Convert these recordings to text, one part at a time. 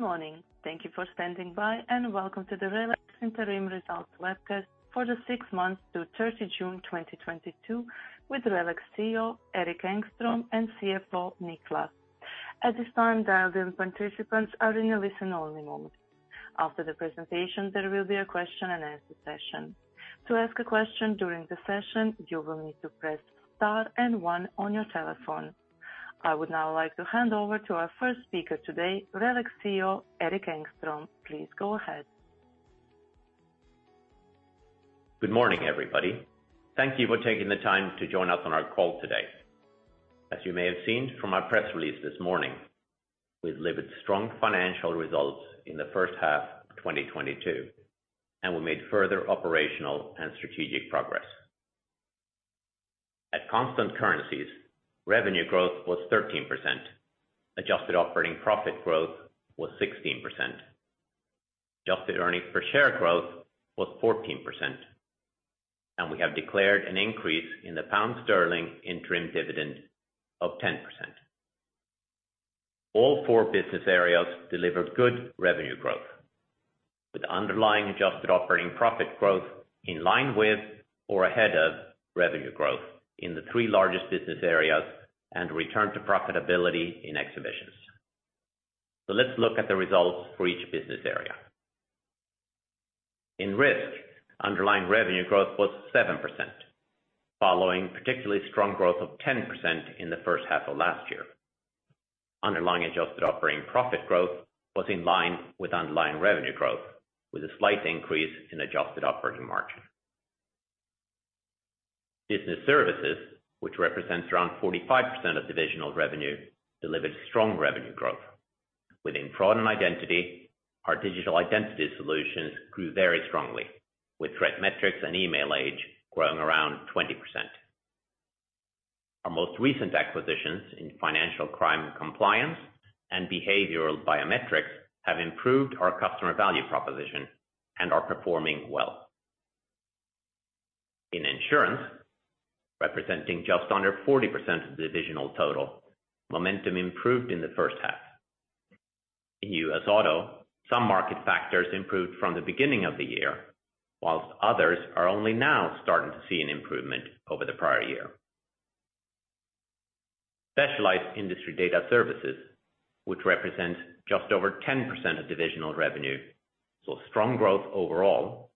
Good morning. Thank you for standing by, and welcome to the RELX interim results webcast for the six months to 30th June 2022 with RELX CEO, Erik Engström, and CFO, Nick Luff. At this time, dialed-in participants are in a listen-only mode. After the presentation, there will be a question and answer session. To ask a question during the session, you will need to press star and one on your telephone. I would now like to hand over to our first speaker today, RELX CEO, Erik Engström. Please go ahead. Good morning, everybody. Thank you for taking the time to join us on our call today. As you may have seen from our press release this morning, we delivered strong financial results in the first half of 2022, and we made further operational and strategic progress. At constant currencies, revenue growth was 13%. Adjusted operating profit growth was 16%. Adjusted earnings per share growth was 14%. We have declared an increase in the pound sterling interim dividend of 10%. All four business areas delivered good revenue growth, with underlying adjusted operating profit growth in line with or ahead of revenue growth in the three largest business areas and return to profitability in Exhibitions. Let's look at the results for each business area. In Risk, underlying revenue growth was 7%, following particularly strong growth of 10% in the first half of last year. Underlying adjusted operating profit growth was in line with underlying revenue growth, with a slight increase in adjusted operating margin. Business Services, which represents around 45% of divisional revenue, delivered strong revenue growth. Within Fraud and Identity, our digital identity solutions grew very strongly with ThreatMetrix and Emailage growing around 20%. Our most recent acquisitions in financial crime compliance and behavioral biometrics have improved our customer value proposition and are performing well. In Insurance, representing just under 40% of divisional total, momentum improved in the first half. In US Auto, some market factors improved from the beginning of the year, while others are only now starting to see an improvement over the prior year. Specialized Industry Data Services, which represents just over 10% of divisional revenue, saw strong growth overall,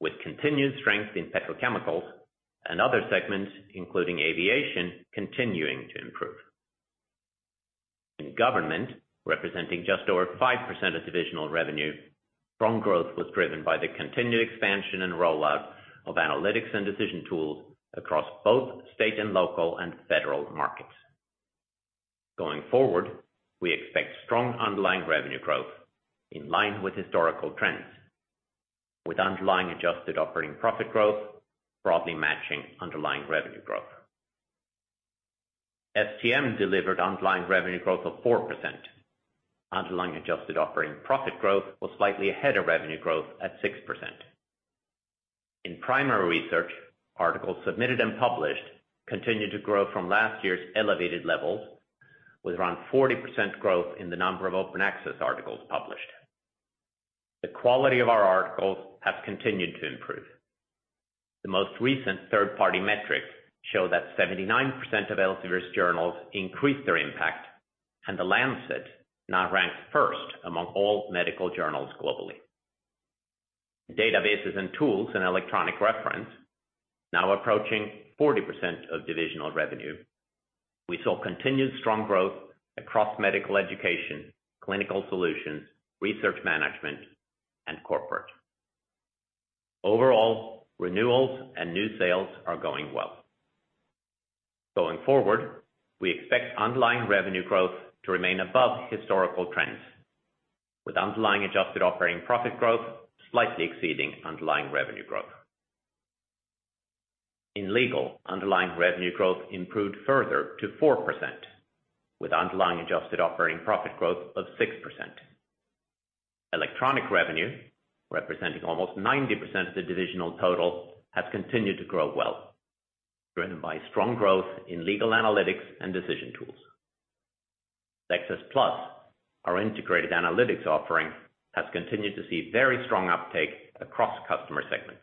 with continued strength in petrochemicals and other segments, including aviation, continuing to improve. In Government, representing just over 5% of divisional revenue, strong growth was driven by the continued expansion and rollout of analytics and decision tools across both state and local and federal markets. Going forward, we expect strong underlying revenue growth in line with historical trends, with underlying adjusted operating profit growth broadly matching underlying revenue growth. STM delivered underlying revenue growth of 4%. Underlying adjusted operating profit growth was slightly ahead of revenue growth at 6%. In Primary Research, articles submitted and published continued to grow from last year's elevated levels with around 40% growth in the number of open access articles published. The quality of our articles have continued to improve. The most recent third-party metrics show that 79% of Elsevier's journals increased their impact, and The Lancet now ranks first among all medical journals globally. Databases and tools in Electronic Reference now approaching 40% of divisional revenue. We saw continued strong growth across Medical Education, Clinical Solutions, Research Management, and Corporate. Overall, renewals and new sales are going well. Going forward, we expect underlying revenue growth to remain above historical trends, with underlying adjusted operating profit growth slightly exceeding underlying revenue growth. In Legal, underlying revenue growth improved further to 4%, with underlying adjusted operating profit growth of 6%. Electronic revenue, representing almost 90% of the divisional total, has continued to grow well, driven by strong growth in legal analytics and decision tools. Lexis+, our integrated analytics offering, has continued to see very strong uptake across customer segments.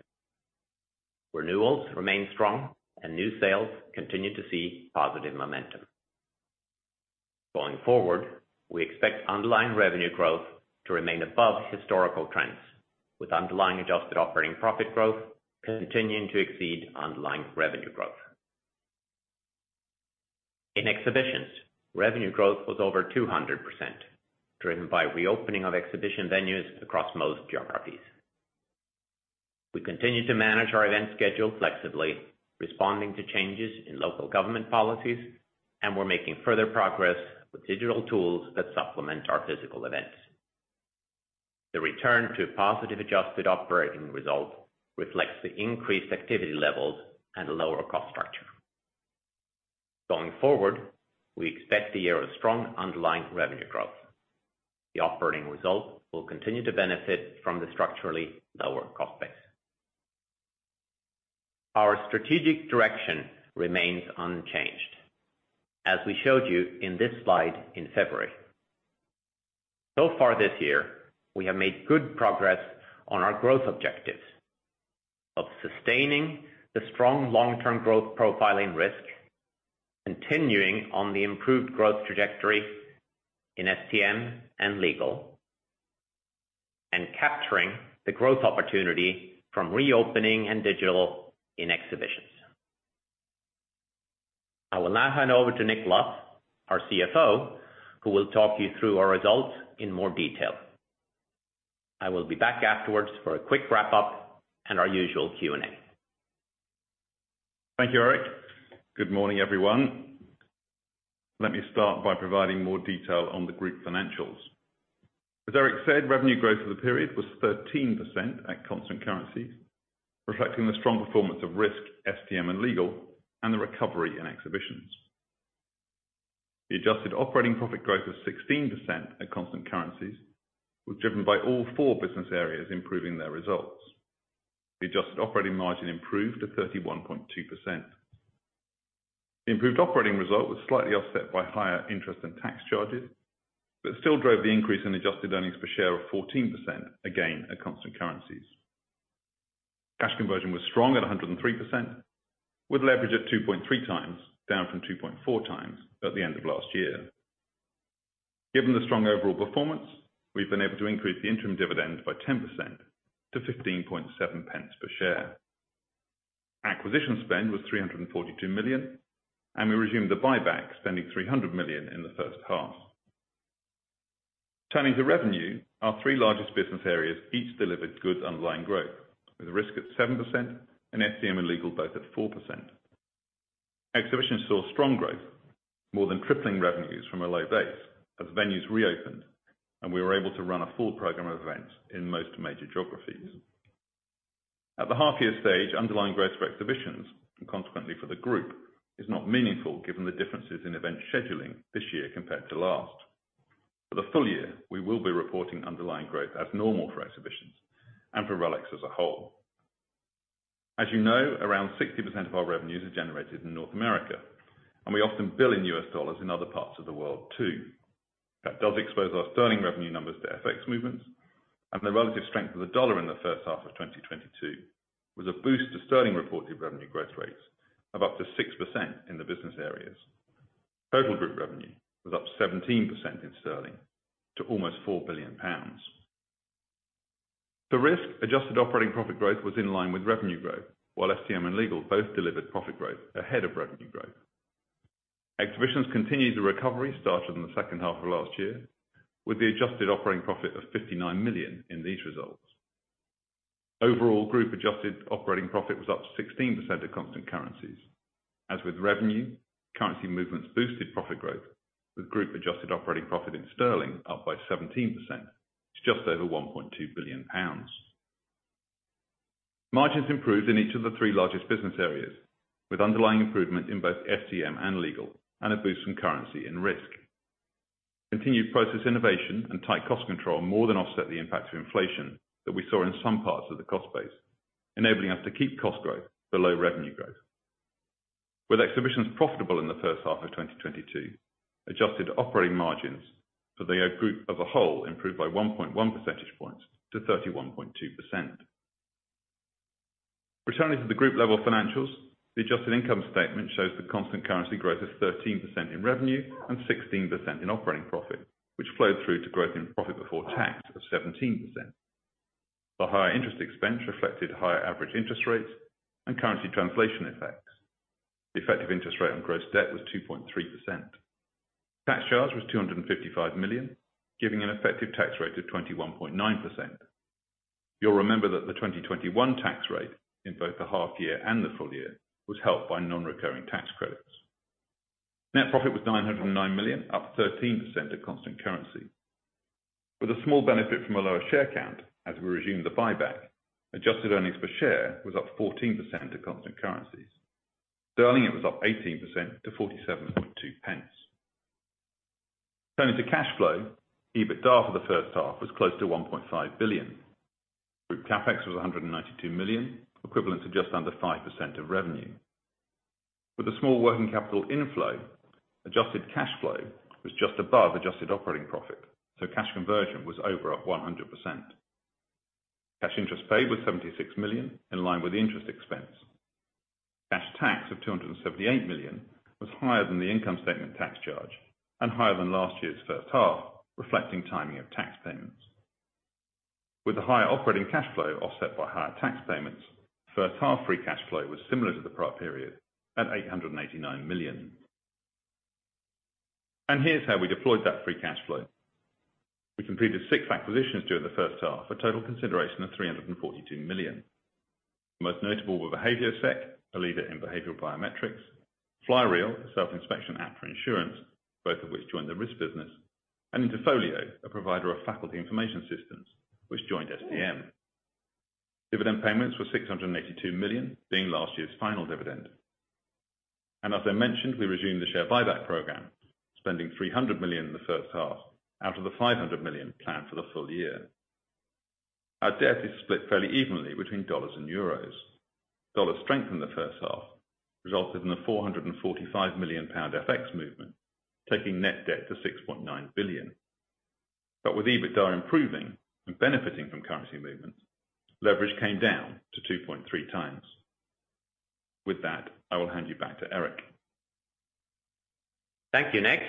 Renewals remain strong and new sales continue to see positive momentum. Going forward, we expect underlying revenue growth to remain above historical trends, with underlying adjusted operating profit growth continuing to exceed underlying revenue growth. In Exhibitions, revenue growth was over 200%, driven by reopening of exhibition venues across most geographies. We continue to manage our event schedule flexibly, responding to changes in local government policies, and we're making further progress with digital tools that supplement our physical events. The return to a positive adjusted operating result reflects the increased activity levels and lower cost structure. Going forward, we expect the year of strong underlying revenue growth. The operating result will continue to benefit from the structurally lower cost base. Our strategic direction remains unchanged, as we showed you in this slide in February. So far this year, we have made good progress on our growth objectives of sustaining the strong long-term growth profile in Risk, continuing on the improved growth trajectory in STM and Legal, and capturing the growth opportunity from reopening and digital in Exhibitions. I will now hand over to Nick Luff, our CFO, who will talk you through our results in more detail. I will be back afterwards for a quick wrap-up and our usual Q&A. Thank you, Erik. Good morning, everyone. Let me start by providing more detail on the group financials. As Erik said, revenue growth for the period was 13% at constant currencies, reflecting the strong performance of Risk, STM, and Legal, and the recovery in Exhibitions. The adjusted operating profit growth of 16% at constant currencies was driven by all four business areas improving their results. The adjusted operating margin improved to 31.2%. The improved operating result was slightly offset by higher interest and tax charges, but still drove the increase in adjusted earnings per share of 14%, again at constant currencies. Cash conversion was strong at 103% with leverage at 2.3x, down from 2.4x at the end of last year. Given the strong overall performance, we've been able to increase the interim dividend by 10% to 15.7 pence per share. Acquisition spend was 342 million, and we resumed the buyback spending 300 million in the first half. Turning to revenue, our three largest business areas each delivered good underlying growth, with Risk at 7% and STM and Legal both at 4%. Exhibitions saw strong growth more than tripling revenues from a low base as venues reopened, and we were able to run a full program of events in most major geographies. At the half year stage, underlying growth for Exhibitions, and consequently for the group, is not meaningful given the differences in event scheduling this year compared to last. For the full year, we will be reporting underlying growth as normal for Exhibitions and for RELX as a whole. As you know, around 60% of our revenues are generated in North America, and we often bill in US dollars in other parts of the world too. That does expose our sterling revenue numbers to FX movements and the relative strength of the dollar in the first half of 2022 was a boost to sterling reported revenue growth rates of up to 6% in the business areas. Total group revenue was up 17% in sterling to almost 4 billion pounds. The Risk adjusted operating profit growth was in line with revenue growth, while STM and Legal both delivered profit growth ahead of revenue growth. Exhibitions continued the recovery started in the second half of last year with the adjusted operating profit of 59 million in these results. Overall, group adjusted operating profit was up 16% at constant currencies. As with revenue, currency movements boosted profit growth with group adjusted operating profit in sterling up by 17% to just over 1.2 billion pounds. Margins improved in each of the three largest business areas, with underlying improvement in both STM and Legal, and a boost from currency and Risk. Continued process innovation and tight cost control more than offset the impact of inflation that we saw in some parts of the cost base, enabling us to keep cost growth below revenue growth. With Exhibitions profitable in the first half of 2022, adjusted operating margins for the group as a whole improved by 1.1 percentage points to 31.2%. Returning to the group level financials, the adjusted income statement shows the constant currency growth of 13% in revenue and 16% in operating profit, which flowed through to growth in profit before tax of 17%. The higher interest expense reflected higher average interest rates and currency translation effects. The effective interest rate on gross debt was 2.3%. Tax charge was 255 million, giving an effective tax rate of 21.9%. You'll remember that the 2021 tax rate in both the half year and the full year was helped by non-recurring tax credits. Net profit was 909 million, up 13% at constant currency. With a small benefit from a lower share count as we resumed the buyback, adjusted earnings per share was up 14% at constant currencies. Sterling, it was up 18% to 47.2 pence. Turning to cash flow, EBITDA for the first half was close to 1.5 billion. Group CapEx was 192 million, equivalent to just under 5% of revenue. With the small working capital inflow, adjusted cash flow was just above adjusted operating profit, so cash conversion was over 100%. Cash interest paid was 76 million in line with interest expense. Cash tax of 278 million was higher than the income statement tax charge and higher than last year's first half, reflecting timing of tax payments. With the higher operating cash flow offset by higher tax payments, first half free cash flow was similar to the prior period at 889 million. Here's how we deployed that free cash flow. We completed six acquisitions during the first half, a total consideration of 342 million. Most notable were BehavioSec, a leader in behavioral biometrics, Flyreel, a self-inspection app for insurance, both of which joined the Risk business, and Interfolio, a provider of faculty information systems which joined STM. Dividend payments were 682 million, being last year's final dividend. As I mentioned, we resumed the share buyback program, spending 300 million in the first half out of the 500 million planned for the full year. Our debt is split fairly evenly between dollars and euros. Dollar strength in the first half resulted in the 445 million pound FX movement, taking net debt to 6.9 billion. With EBITDA improving and benefiting from currency movements, leverage came down to 2.3x. With that, I will hand you back to Erik. Thank you, Nick.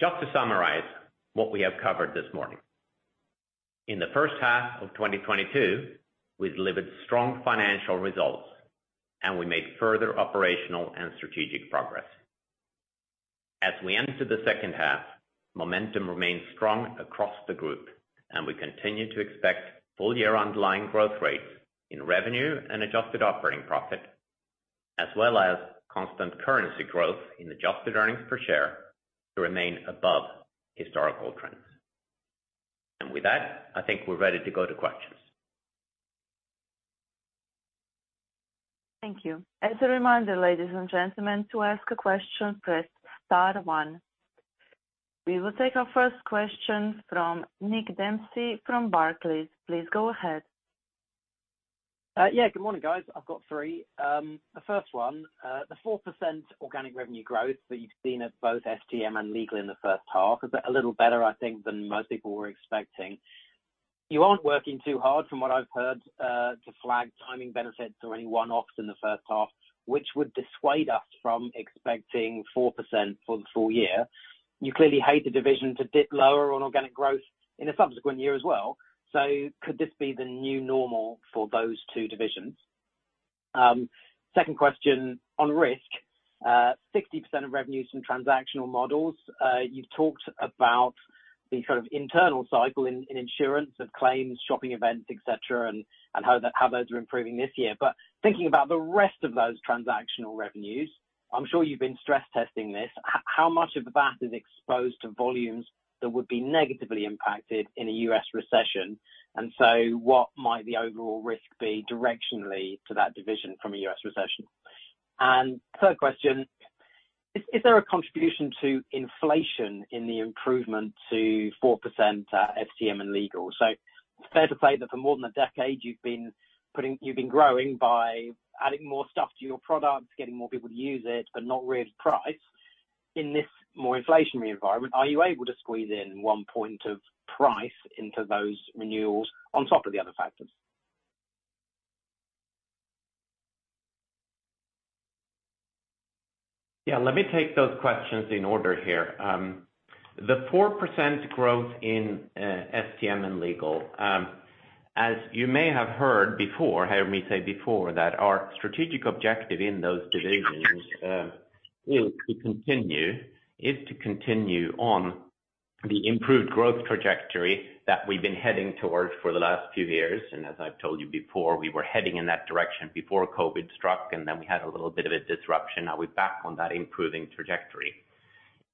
Just to summarize what we have covered this morning. In the first half of 2022, we delivered strong financial results and we made further operational and strategic progress. As we enter the second half, momentum remains strong across the group and we continue to expect full year underlying growth rates in revenue and adjusted operating profit, as well as constant currency growth in adjusted earnings per share to remain above historical trends. With that, I think we're ready to go to questions. Thank you. As a reminder, ladies and gentlemen, to ask a question, press star one. We will take our first question from Nick Dempsey from Barclays. Please go ahead. Yeah, good morning, guys. I've got three. The first one, the 4% organic revenue growth that you've seen at both STM and Legal in the first half is a little better, I think, than most people were expecting. You aren't working too hard from what I've heard to flag timing benefits or any one-offs in the first half, which would dissuade us from expecting 4% for the full year. You clearly hate the division to dip lower on organic growth in a subsequent year as well. Could this be the new normal for those two divisions? Second question on risk. 60% of revenues from transactional models. You've talked about the sort of internal cycle in insurance of claims, shopping events, et cetera, and how those are improving this year. Thinking about the rest of those transactional revenues, I'm sure you've been stress testing this. How much of that is exposed to volumes that would be negatively impacted in a U.S. recession? What might the overall risk be directionally to that division from a U.S. recession? Third question, is there a contribution to inflation in the improvement to 4% STM and Legal? Fair to say that for more than a decade you've been growing by adding more stuff to your products, getting more people to use it, but not really price. In this more inflationary environment, are you able to squeeze in one point of price into those renewals on top of the other factors? Yeah, let me take those questions in order here. The 4% growth in STM and Legal, as you may have heard me say before, that our strategic objective in those divisions is to continue on the improved growth trajectory that we've been heading towards for the last few years. As I've told you before, we were heading in that direction before COVID struck, and then we had a little bit of a disruption. Now we're back on that improving trajectory.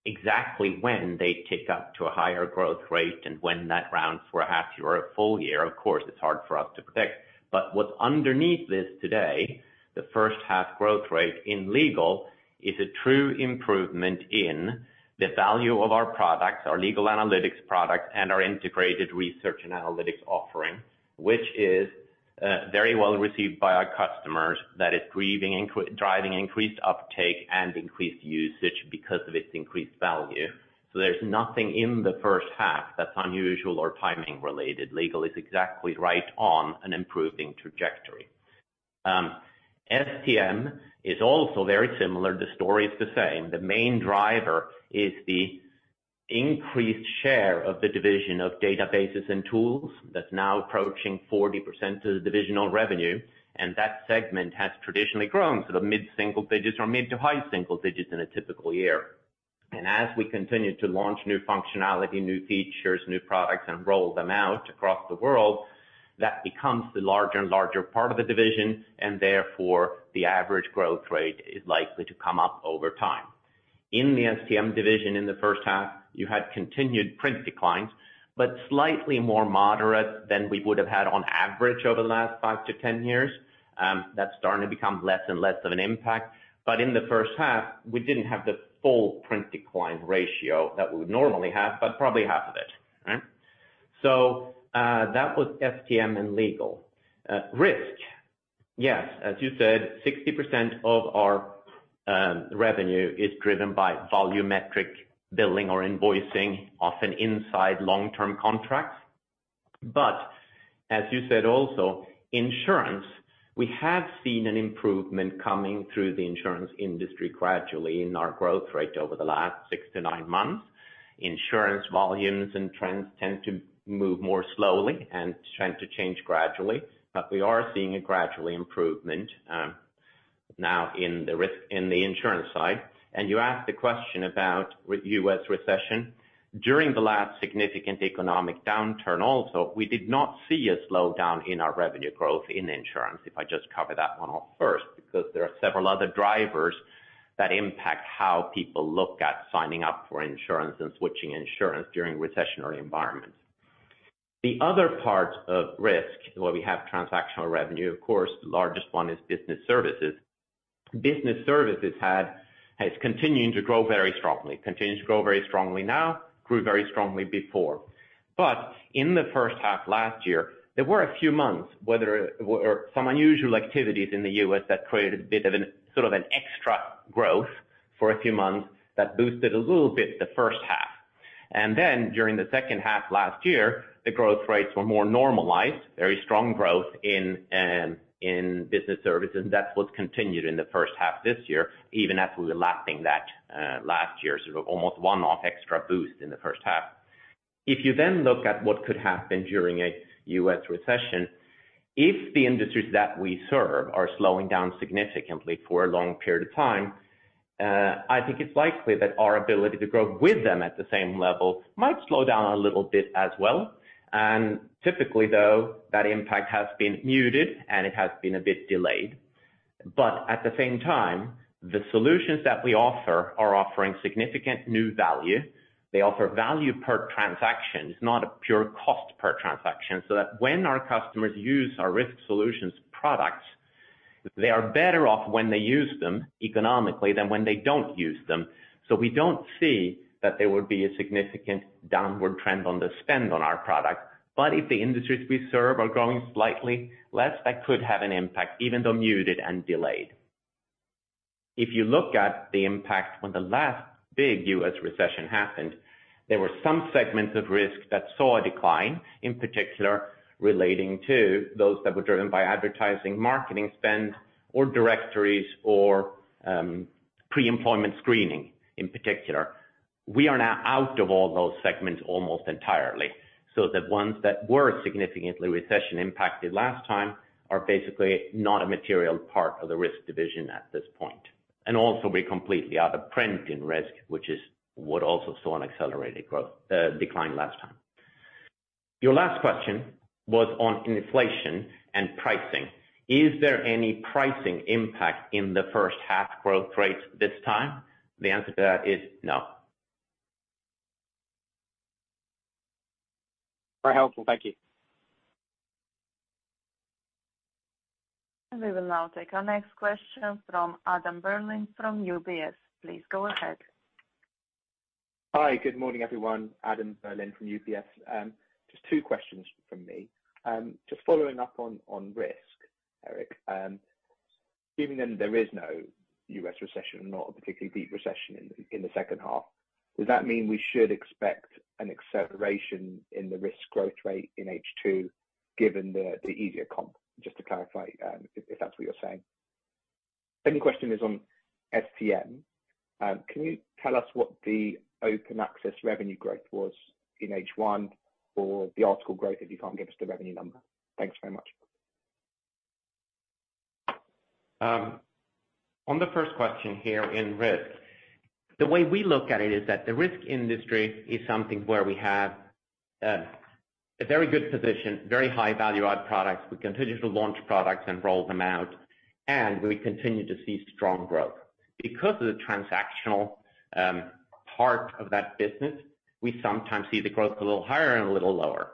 Exactly when they tick up to a higher growth rate and when that runs for a half year or a full year, of course, it's hard for us to predict. What's underneath this today, the first half growth rate in Legal is a true improvement in the value of our products, our legal analytics products, and our integrated research and analytics offering, which is very well received by our customers. That is driving increased uptake and increased usage because of its increased value. There's nothing in the first half that's unusual or timing related. Legal is exactly right on an improving trajectory. STM is also very similar. The story is the same. The main driver is the increased share of the division of databases and tools that's now approaching 40% of the divisional revenue, and that segment has traditionally grown sort of mid-single digits or mid to high single digits in a typical year. As we continue to launch new functionality, new features, new products, and roll them out across the world, that becomes the larger and larger part of the division, and therefore the average growth rate is likely to come up over time. In the STM division, in the first half, you had continued print declines, but slightly more moderate than we would have had on average over the last 5-10 years. That's starting to become less and less of an impact. But in the first half we didn't have the full print decline ratio that we would normally have, but probably half of it, right? That was STM and Legal. Risk, yes, as you said, 60% of our revenue is driven by volumetric billing or invoicing, often inside long-term contracts. As you said also, Insurance, we have seen an improvement coming through the insurance industry gradually in our growth rate over the last 6-9 months. Insurance volumes and trends tend to move more slowly and tend to change gradually, we are seeing a gradual improvement now in the Risk in the Insurance side. You asked the question about U.S. recession. During the last significant economic downturn also, we did not see a slowdown in our revenue growth in Insurance, if I just cover that one off first, because there are several other drivers that impact how people look at signing up for insurance and switching insurance during recessionary environments. The other part of Risk where we have transactional revenue, of course, the largest one is Business Services. Business Services has continued to grow very strongly, continues to grow very strongly now, grew very strongly before. In the first half last year, there were a few months where there were some unusual activities in the U.S. that created a bit of an, sort of an extra growth for a few months that boosted a little bit the first half. During the second half last year, the growth rates were more normalized, very strong growth in business services, and that's what's continued in the first half this year, even as we were lapping that last year's sort of almost one-off extra boost in the first half. If you then look at what could happen during a U.S. recession, if the industries that we serve are slowing down significantly for a long period of time, I think it's likely that our ability to grow with them at the same level might slow down a little bit as well. Typically, though, that impact has been muted and it has been a bit delayed. At the same time, the solutions that we offer are offering significant new value. They offer value per transaction. It's not a pure cost per transaction, so that when our customers use our Risk solutions products, they are better off when they use them economically than when they don't use them. We don't see that there would be a significant downward trend on the spend on our product. If the industries we serve are growing slightly less, that could have an impact, even though muted and delayed. If you look at the impact when the last big U.S. recession happened, there were some segments of Risk that saw a decline, in particular relating to those that were driven by advertising, marketing spend or directories or pre-employment screening in particular. We are now out of all those segments almost entirely, so the ones that were significantly recession-impacted last time are basically not a material part of the Risk division at this point. Also we're completely out of print in Risk, which is what also saw an accelerated growth decline last time. Your last question was on inflation and pricing. Is there any pricing impact in the first half growth rates this time? The answer to that is no. Very helpful. Thank you. We will now take our next question from Adam Berlin from UBS. Please go ahead. Hi. Good morning, everyone. Adam Berlin from UBS. Just two questions from me. Just following up on Risk, Erik Engström. Given that there is no U.S. recession, not a particularly deep recession in the second half, does that mean we should expect an acceleration in the Risk growth rate in H2, given the easier comp? Just to clarify, if that's what you're saying. Second question is on STM. Can you tell us what the open access revenue growth was in H1 or the article growth if you can't give us the revenue number? Thanks very much. On the first question here in Risk, the way we look at it is that the risk industry is something where we have a very good position, very high value-add products. We continue to launch products and roll them out, and we continue to see strong growth. Because of the transactional, part of that business, we sometimes see the growth a little higher and a little lower.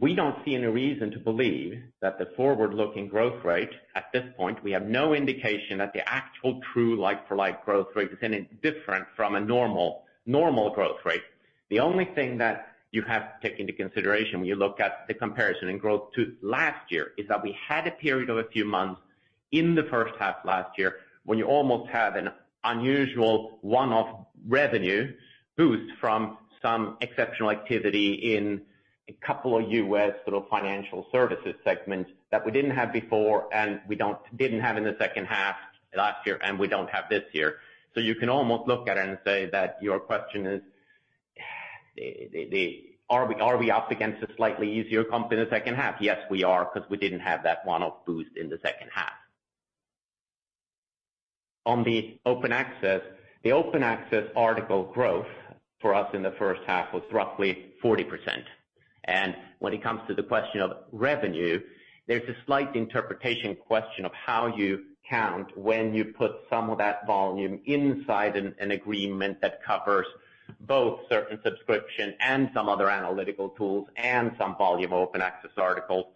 We don't see any reason to believe that the forward-looking growth rate at this point, we have no indication that the actual true like-for-like growth rate is any different from a normal growth rate. The only thing that you have to take into consideration when you look at the comparison in growth to last year is that we had a period of a few months in the first half last year when we almost had an unusual one-off revenue boost from some exceptional activity in a couple of U.S. sort of financial services segments that we didn't have before and we didn't have in the second half last year and we don't have this year. You can almost look at it and say that your question is, are we up against a slightly easier comp in the second half? Yes, we are, 'cause we didn't have that one-off boost in the second half. On the open access, the open access article growth for us in the first half was roughly 40%. When it comes to the question of revenue, there's a slight interpretation question of how you count when you put some of that volume inside an agreement that covers both certain subscription and some other analytical tools and some volume open access articles.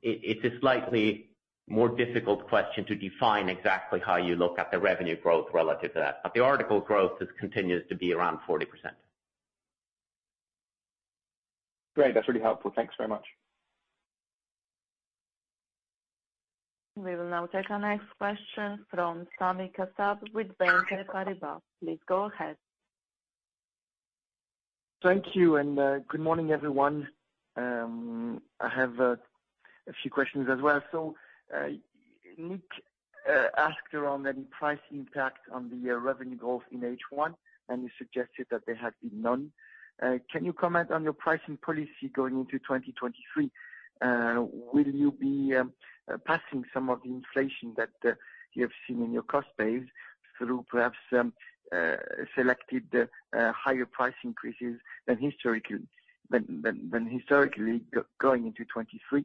It's a slightly more difficult question to define exactly how you look at the revenue growth relative to that. The article growth continues to be around 40%. Great. That's really helpful. Thanks very much. We will now take our next question from Sami Kassab with BNP Paribas. Please go ahead. Thank you, good morning, everyone. I have a few questions as well. Nick asked about any price impact on the revenue growth in H1, and you suggested that there had been none. Can you comment on your pricing policy going into 2023? Will you be passing some of the inflation that you have seen in your cost base through perhaps selected higher price increases than historically going into 2023?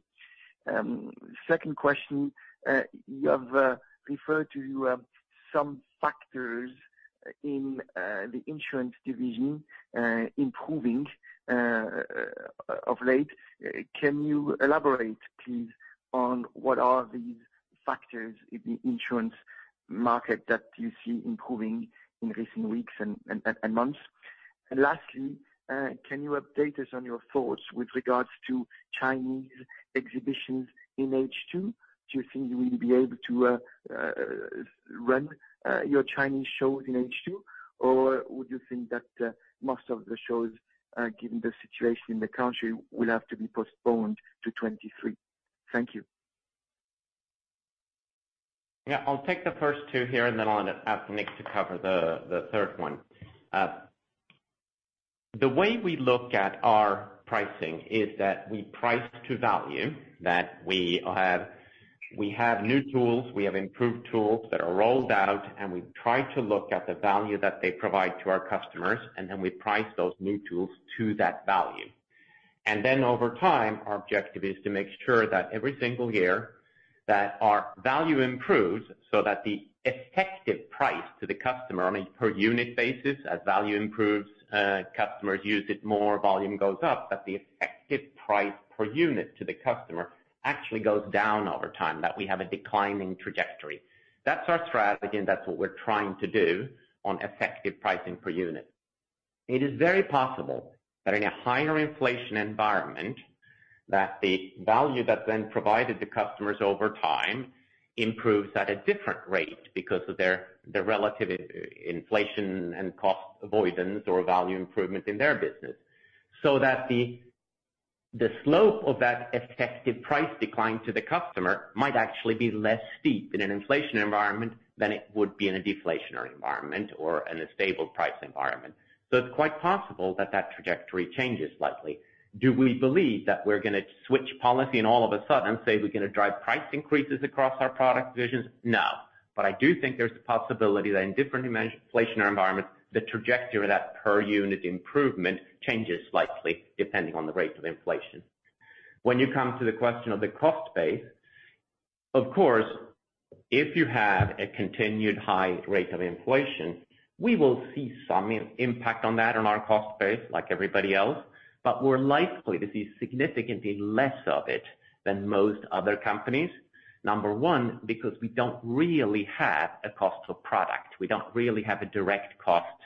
Second question. You have referred to some factors in the insurance division improving of late. Can you elaborate please on what are these factors in the insurance market that you see improving in recent weeks and months? Lastly, can you update us on your thoughts with regards to Chinese exhibitions in H2? Do you think you will be able to run your Chinese shows in H2? Or would you think that most of the shows, given the situation in the country, will have to be postponed to 2023? Thank you. Yeah. I'll take the first two here, and then I'll ask Nick to cover the third one. The way we look at our pricing is that we price to value, that we have new tools, we have improved tools that are rolled out, and we try to look at the value that they provide to our customers, and then we price those new tools to that value. Then over time, our objective is to make sure that every single year, that our value improves so that the effective price to the customer on a per unit basis as value improves, customers use it more, volume goes up, that the effective price per unit to the customer actually goes down over time, that we have a declining trajectory. That's our strategy, and that's what we're trying to do on effective pricing per unit. It is very possible that in a higher inflation environment, that the value that then provided the customers over time improves at a different rate because of their relative inflation and cost avoidance or value improvement in their business. That the slope of that effective price decline to the customer might actually be less steep in an inflation environment than it would be in a deflationary environment or in a stable price environment. It's quite possible that that trajectory changes slightly. Do we believe that we're gonna switch policy and all of a sudden say we're gonna drive price increases across our product divisions? No. I do think there's a possibility that in different inflation environments, the trajectory of that per unit improvement changes slightly depending on the rate of inflation. When you come to the question of the cost base, of course, if you have a continued high rate of inflation, we will see some impact on that on our cost base like everybody else, but we're likely to see significantly less of it than most other companies. Number one, because we don't really have a cost of product. We don't really have a direct cost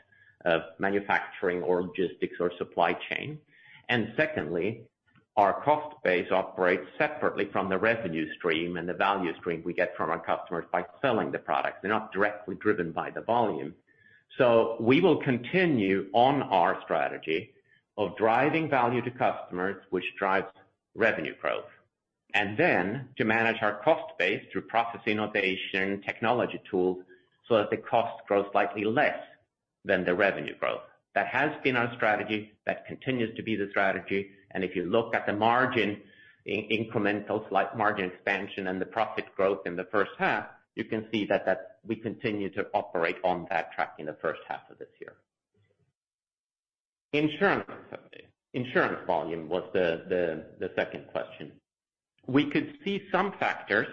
of manufacturing or logistics or supply chain. Secondly, our cost base operates separately from the revenue stream and the value stream we get from our customers by selling the product. They're not directly driven by the volume. We will continue on our strategy of driving value to customers, which drives revenue growth. Then to manage our cost base through process innovation, technology tools, so that the cost grows slightly less than the revenue growth. That has been our strategy. That continues to be the strategy. If you look at the incremental margin, slight margin expansion and the profit growth in the first half, you can see that we continue to operate on that track in the first half of this year. Insurance volume was the second question. We could see some factors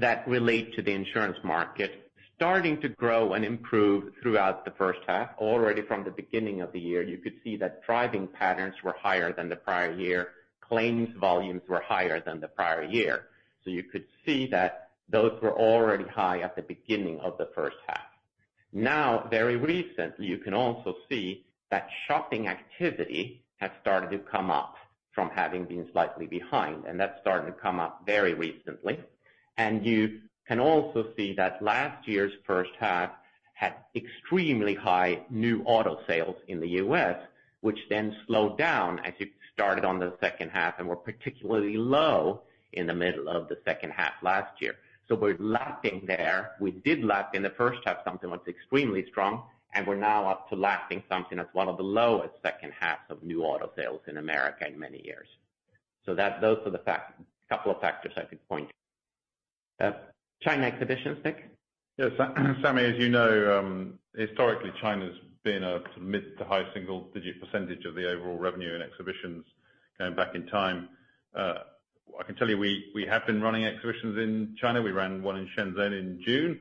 that relate to the insurance market starting to grow and improve throughout the first half. Already from the beginning of the year, you could see that driving patterns were higher than the prior year. Claims volumes were higher than the prior year. You could see that those were already high at the beginning of the first half. Now, very recently, you can also see that shopping activity has started to come up from having been slightly behind, and that's starting to come up very recently. You can also see that last year's first half had extremely high new auto sales in the U.S., which then slowed down as you started on the second half and were particularly low in the middle of the second half last year. We're lagging there. We did lag in the first half, something that's extremely strong, and we're now up to lagging something that's one of the lowest second halves of new auto sales in America in many years. Those are the couple of factors I could point. China exhibitions, Nick? Yes, Sami, as you know, historically, China's been a mid- to high single-digit percentage of the overall revenue in Exhibitions going back in time. I can tell you, we have been running exhibitions in China. We ran one in Shenzhen in June,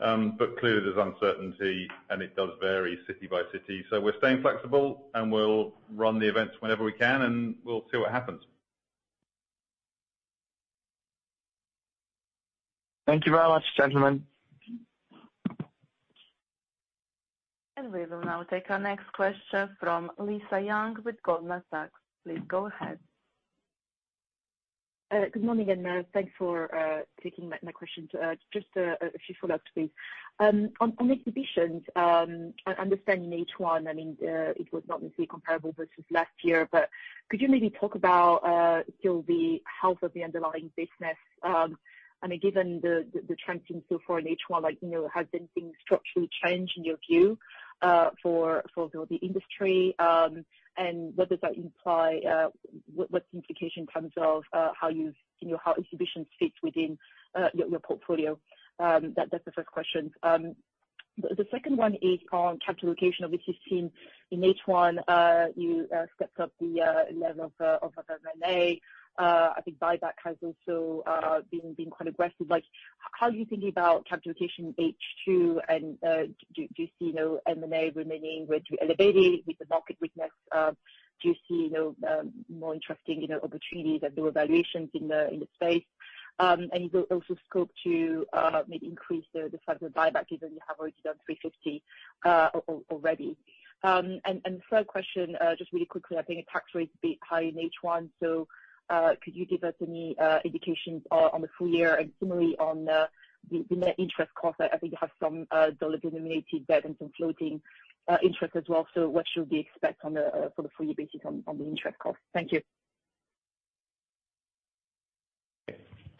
but clearly there's uncertainty, and it does vary city by city. We're staying flexible, and we'll run the events whenever we can, and we'll see what happens. Thank you very much, gentlemen. We will now take our next question from Lisa Yang with Goldman Sachs. Please go ahead. Good morning, and thanks for taking my question. Just a few follow-ups, please. On Exhibitions, understanding H1, I mean, it was not necessarily comparable versus last year, but could you maybe talk about still the health of the underlying business? I mean, given the trends so far in H1, like, you know, have things been structurally changed in your view for the industry? What does that imply? What's the implication in terms of how, you know, how Exhibitions fit within your portfolio? That's the first question. The second one is on capital allocation, which is seen in H1. You stepped up the level of M&A. I think buyback has also been quite aggressive. Like, how you're thinking about capital allocation H2, and do you see M&A remaining at an elevated rate with the market weakness? Do you see more interesting, you know, opportunities at lower valuations in the space, and is there also scope to maybe increase the size of the buyback even though you have already done GBP 350? And third question, just really quickly, I think the tax rate is a bit high in H1, so could you give us any indications on the full year and similarly on the net interest cost? I think you have some dollar-denominated debt and some floating interest as well. What should we expect for the full year basis on the interest cost? Thank you.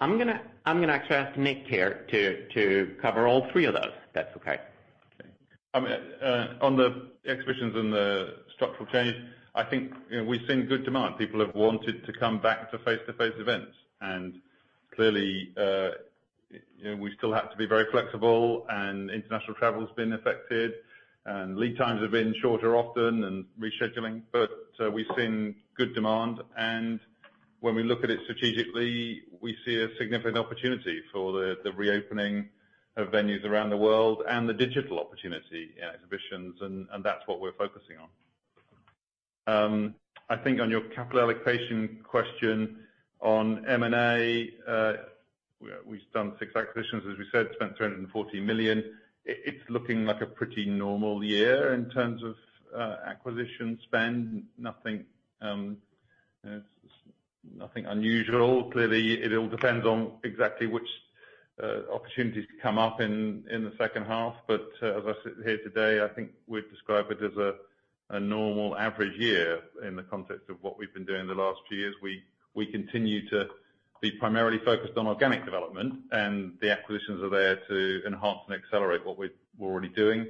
I'm gonna ask Nick here to cover all three of those, if that's okay. Okay. On the exhibitions and the structural change, I think, you know, we've seen good demand. People have wanted to come back to face-to-face events. Clearly, you know, we still have to be very flexible and international travel's been affected and lead times have been shorter often and rescheduling. We've seen good demand, and when we look at it strategically, we see a significant opportunity for the reopening of venues around the world and the digital opportunity in exhibitions, and that's what we're focusing on. I think on your capital allocation question on M&A, we've done six acquisitions, as we said, spent 240 million. It's looking like a pretty normal year in terms of acquisition spend. Nothing unusual. Clearly, it all depends on exactly which opportunities come up in the second half. As I sit here today, I think we'd describe it as a normal average year in the context of what we've been doing the last few years. We continue to be primarily focused on organic development, and the acquisitions are there to enhance and accelerate what we're already doing.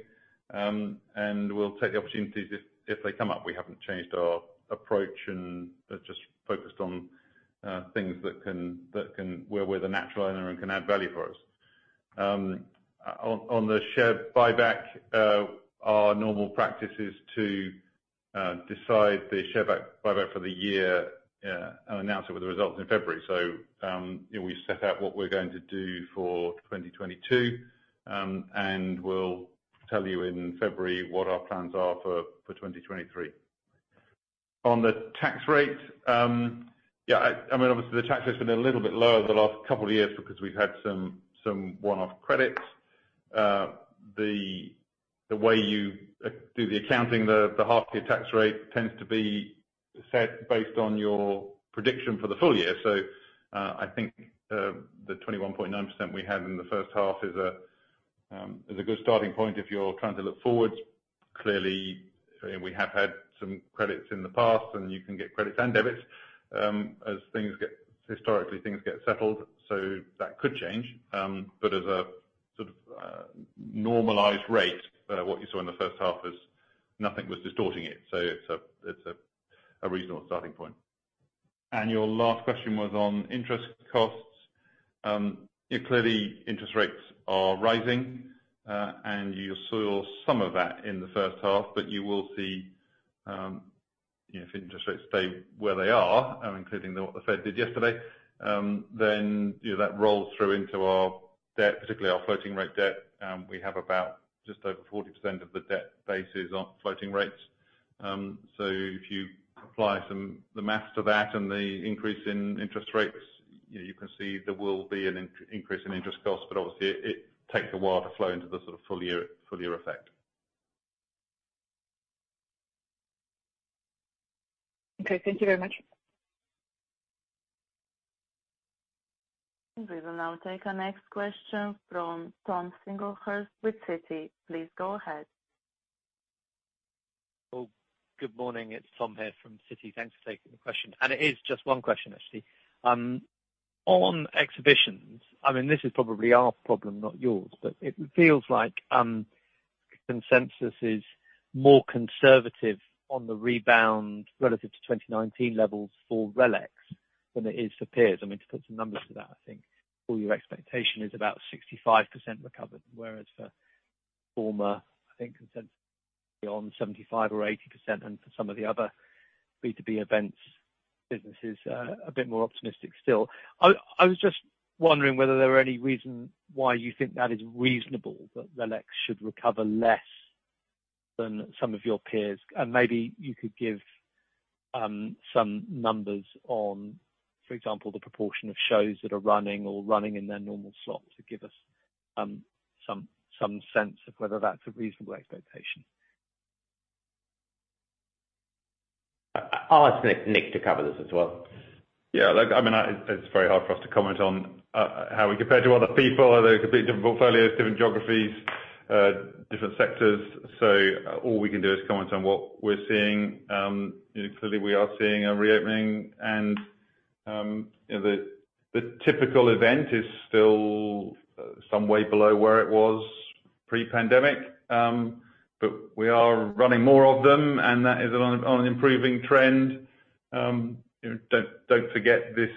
We'll take the opportunities if they come up. We haven't changed our approach and just focused on things where we're the natural owner and can add value for us. On the share buyback, our normal practice is to decide the share buyback for the year and announce it with the results in February. You know, we set out what we're going to do for 2022, and we'll tell you in February what our plans are for 2023. On the tax rate, I mean, obviously the tax rate's been a little bit lower the last couple of years because we've had some one-off credits. The way you do the accounting, the half year tax rate tends to be set based on your prediction for the full year. I think the 21.9% we had in the first half is a good starting point if you're trying to look forward. Clearly, we have had some credits in the past, and you can get credits and debits, historically things get settled, so that could change. As a sort of normalized rate, what you saw in the first half is, nothing was distorting it. It's a reasonable starting point. Your last question was on interest costs. Yeah, clearly interest rates are rising, and you saw some of that in the first half, but you will see, you know, if interest rates stay where they are, including what the Fed did yesterday, then, you know, that rolls through into our debt, particularly our floating rate debt. We have about just over 40% of the debt base on floating rates. If you apply some the math to that and the increase in interest rates, you know, you can see there will be an increase in interest costs, but obviously it takes a while to flow into the sort of full year effect. Okay. Thank you very much. We will now take our next question from Thomas Singlehurst with Citi. Please go ahead. Oh, good morning. It's Tom here from Citi. Thanks for taking the question. It is just one question, actually. On exhibitions, I mean, this is probably our problem, not yours, but it feels like consensus is more conservative on the rebound relative to 2019 levels for RELX than it is for peers. I mean, to put some numbers to that, I think overall expectation is about 65% recovered, whereas for Informa, I think consensus beyond 75% or 80%, and for some of the other B2B events businesses, a bit more optimistic still. I was just wondering whether there were any reason why you think that is reasonable, that RELX should recover less than some of your peers. Maybe you could give some numbers on, for example, the proportion of shows that are running or running in their normal slots to give us some sense of whether that's a reasonable expectation. I'll ask Nick to cover this as well. Like, I mean, it's very hard for us to comment on how we compare to other people. They're completely different portfolios, different geographies, different sectors. So all we can do is comment on what we're seeing. You know, clearly we are seeing a reopening and, you know, the typical event is still some way below where it was pre-pandemic. But we are running more of them, and that is on an improving trend. You know, don't forget this.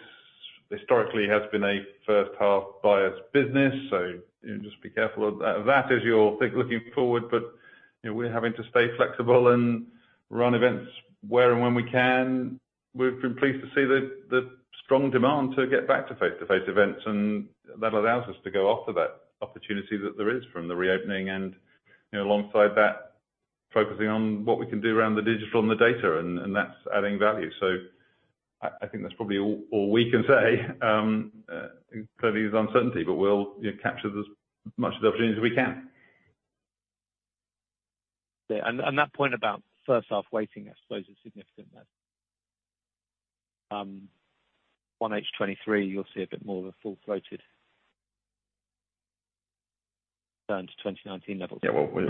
Historically has been a first half biased business, so you just be careful of that as you're thinking, looking forward. You know, we're having to stay flexible and run events where and when we can. We've been pleased to see the strong demand to get back to face-to-face events, and that allows us to go after that opportunity that there is from the reopening. You know, alongside that, focusing on what we can do around the digital and the data, and that's adding value. I think that's probably all we can say. Clearly there's uncertainty, but we'll you know, capture as much of the opportunities as we can. That point about first half weighting I suppose is significant then. On H 2023, you'll see a bit more of a full-throated turn to 2019 levels. Yeah, well, we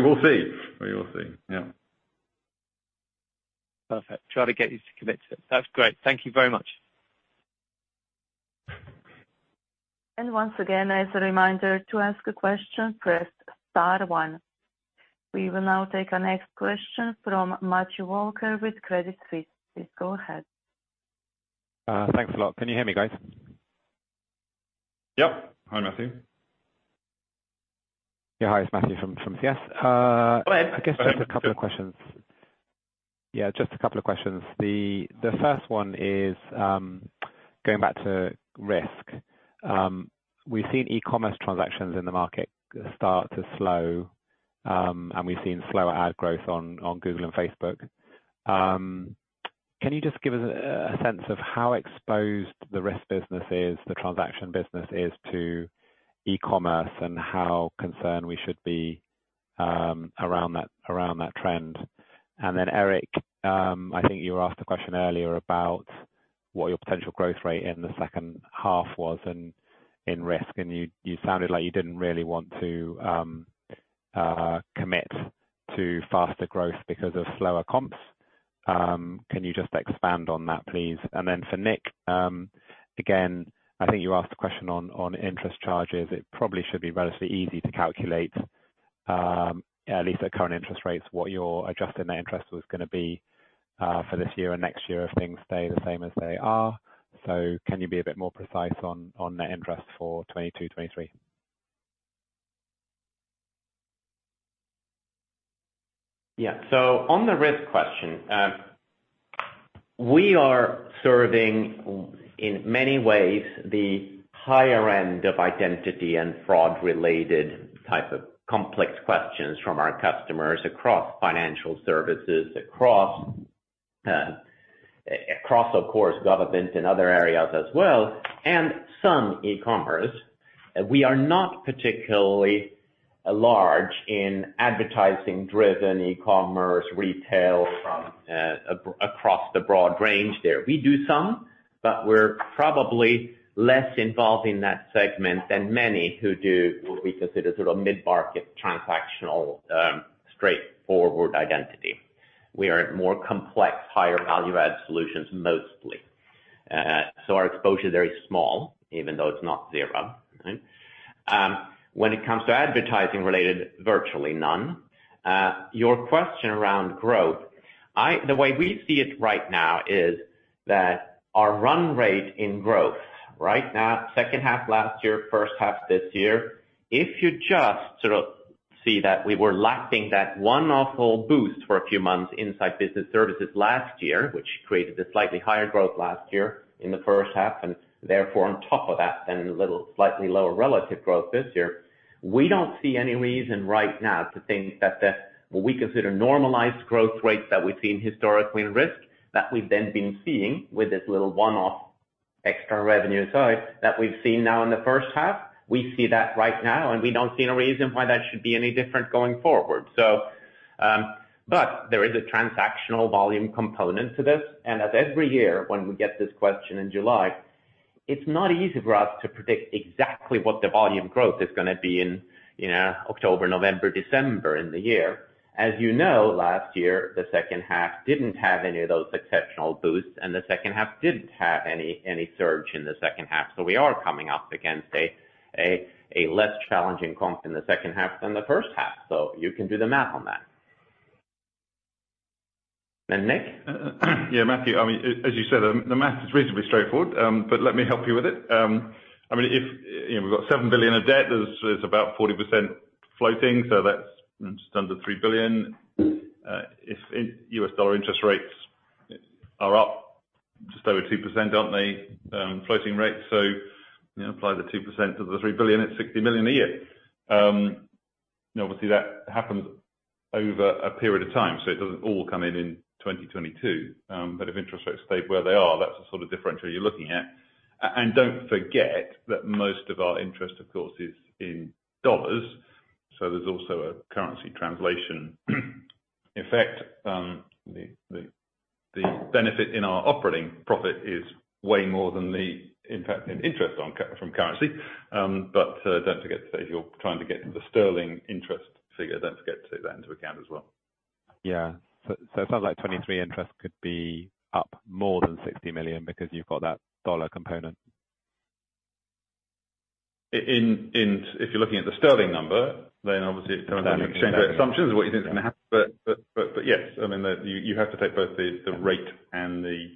will see. We will see. Yeah. Perfect. Try to get you to commit to it. That's great. Thank you very much. Once again, as a reminder, to ask a question, press star one. We will now take our next question from Matthew Walker with Credit Suisse. Please go ahead. Thanks a lot. Can you hear me, guys? Yep. Hi, Matthew. Yeah. Hi, it's Matthew from CS. Go ahead. I guess just a couple of questions. The first one is going back to Risk. We've seen e-commerce transactions in the market start to slow, and we've seen slower ad growth on Google and Facebook. Can you just give us a sense of how exposed the Risk business is, the transaction business is to e-commerce and how concerned we should be around that trend? Then, Erik, I think you were asked a question earlier about what your potential growth rate in the second half was in Risk. And you sounded like you didn't really want to commit to faster growth because of slower comps. Can you just expand on that, please? For Nick, again, I think you were asked a question on interest charges. It probably should be relatively easy to calculate, at least at current interest rates, what your adjusted net interest was gonna be, for this year and next year if things stay the same as they are. Can you be a bit more precise on net interest for 2022, 2023? Yeah. On the risk question, we are serving, in many ways, the higher end of identity and fraud-related type of complex questions from our customers across financial services, across government and other areas as well, and some e-commerce. We are not particularly large in advertising-driven e-commerce, retail across the broad range there. We do some, but we're probably less involved in that segment than many who do what we consider sort of mid-market transactional, straightforward identity. We are at more complex, higher value add solutions mostly. Our exposure is very small, even though it's not zero, right? When it comes to advertising related, virtually none. Your question around growth, the way we see it right now is that our run rate in growth right now, second half last year, first half this year, if you just sort of see that we were lacking that one-off little boost for a few months inside Business Services last year, which created a slightly higher growth last year in the first half, and therefore on top of that, then a little slightly lower relative growth this year. We don't see any reason right now to think that the, what we consider normalized growth rates that we've seen historically in Risk, that we've then been seeing with this little one-off extra revenue. That we've seen now in the first half, we see that right now, and we don't see any reason why that should be any different going forward. There is a transactional volume component to this. As every year when we get this question in July, it's not easy for us to predict exactly what the volume growth is gonna be in, you know, October, November, December in the year. As you know, last year, the second half didn't have any of those exceptional boosts, and the second half didn't have any surge in the second half. We are coming up against a less challenging comp in the second half than the first half. You can do the math on that. Nick? Yeah, Matthew, I mean, as you said, the math is reasonably straightforward, but let me help you with it. I mean, if you know, we've got 7 billion of debt, there's about 40% floating, so that's just under 3 billion. If U.S. dollar interest rates are up just over 2%, aren't they? Floating rates. So, you know, apply the 2% to the 3 billion, it's 60 million a year. And obviously that happens over a period of time, so it doesn't all come in in 2022. If interest rates stay where they are, that's the sort of differential you're looking at. Don't forget that most of our interest, of course, is in dollars, so there's also a currency translation effect. The benefit in our operating profit is way more than the impact on interest from currency. Don't forget to say if you're trying to get to the sterling interest figure, don't forget to take that into account as well. It sounds like 2023 interest could be up more than 60 million because you've got that dollar component. If you're looking at the sterling number, then obviously it comes down to exchange rate assumptions of what you think is gonna happen. Yes, I mean, you have to take both the rate and the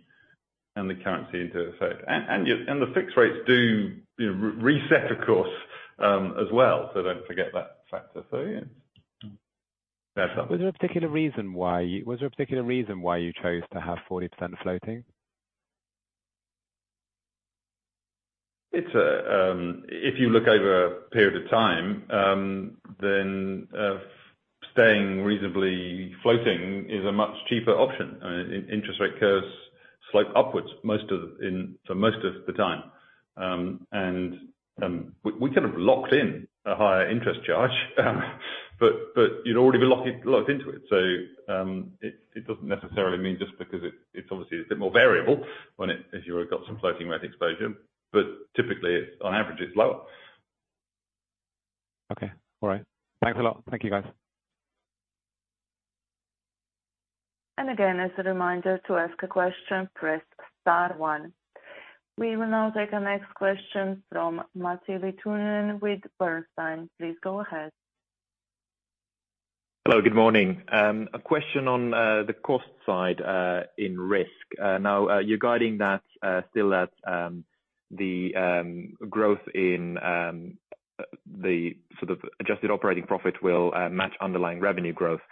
currency into account. The fixed rates do, you know, reset of course, as well. Don't forget that factor. Yeah. Fair comment. Was there a particular reason why you chose to have 40% floating? If you look over a period of time, then staying reasonably floating is a much cheaper option. I mean, interest rate curves slope upwards most of the time. We kind of locked in a higher interest charge, but you'd already be locked into it. It doesn't necessarily mean just because it's obviously a bit more variable if you've got some floating rate exposure. Typically it's, on average, lower. Okay. All right. Thanks a lot. Thank you, guys. Again, as a reminder, to ask a question, press star one. We will now take the next question from Matti Littunen with Bernstein. Please go ahead. Hello, good morning. A question on the cost side in Risk. Now, you're guiding that still at the growth in the sort of adjusted operating profit will match underlying revenue growth.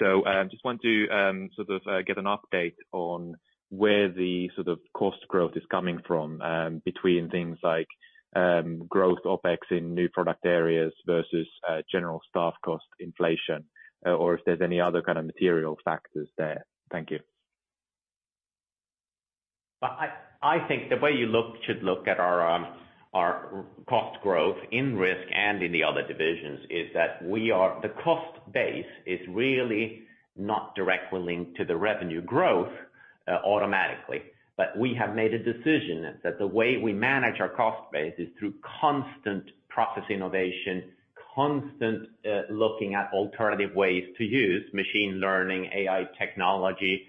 Just want to sort of get an update on where the sort of cost growth is coming from, between things like growth OpEx in new product areas versus general staff cost inflation, or if there's any other kind of material factors there. Thank you. I think the way you should look at our cost growth in risk and in the other divisions is that the cost base is really not directly linked to the revenue growth automatically. We have made a decision that the way we manage our cost base is through constant process innovation, constant looking at alternative ways to use machine learning, AI technology,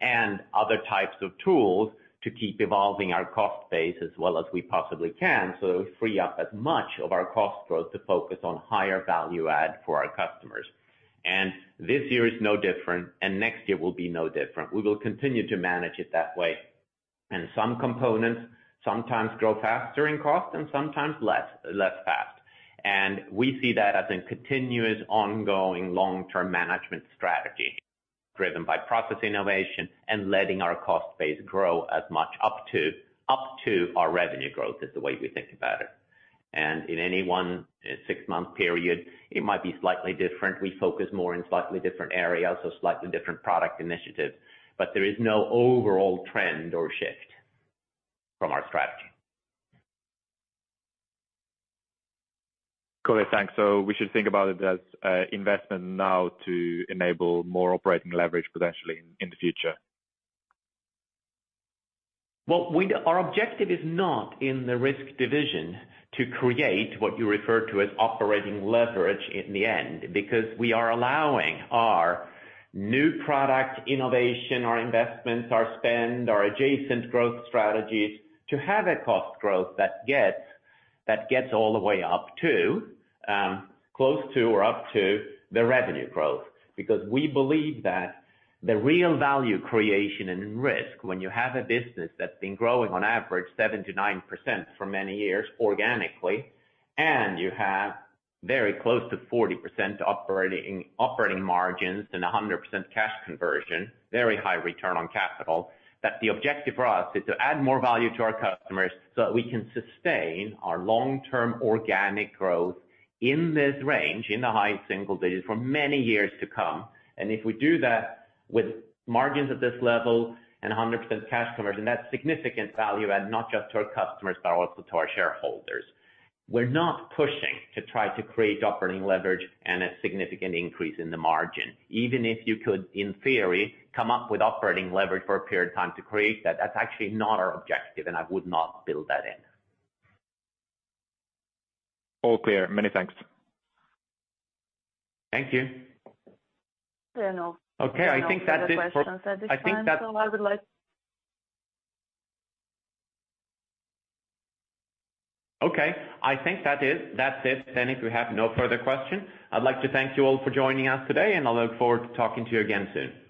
and other types of tools to keep evolving our cost base as well as we possibly can, so that we free up as much of our cost growth to focus on higher value add for our customers. This year is no different, and next year will be no different. We will continue to manage it that way. Some components sometimes grow faster in cost and sometimes less fast. We see that as a continuous, ongoing, long-term management strategy driven by process innovation and letting our cost base grow as much up to our revenue growth, is the way we think about it. In any one six-month period, it might be slightly different. We focus more in slightly different areas, so slightly different product initiatives. There is no overall trend or shift from our strategy. Got it. Thanks. We should think about it as investment now to enable more operating leverage potentially in the future? Well, our objective is not in the Risk division to create what you refer to as operating leverage in the end, because we are allowing our new product innovation, our investments, our spend, our adjacent growth strategies to have a cost growth that gets all the way up to close to or up to the revenue growth. Because we believe that the real value creation in Risk when you have a business that's been growing on average 7%-9% for many years organically, and you have very close to 40% operating margins and 100% cash conversion, very high return on capital. That the objective for us is to add more value to our customers so that we can sustain our long-term organic growth in this range, in the high single digits for many years to come. If we do that with margins at this level and 100% cash conversion, that's significant value add, not just to our customers, but also to our shareholders. We're not pushing to try to create operating leverage and a significant increase in the margin. Even if you could, in theory, come up with operating leverage for a period of time to create that's actually not our objective, and I would not build that in. All clear. Many thanks. Thank you. There are no- Okay. I think that's it for- No further questions at this time. I think that. I would like. Okay. I think that's it then if we have no further questions. I'd like to thank you all for joining us today, and I'll look forward to talking to you again soon.